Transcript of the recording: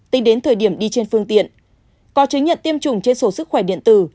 tính đến thời điểm đi trên phương tiện có chứng nhận tiêm chủng trên sổ sức khỏe điện tử